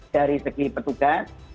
dari segi petugas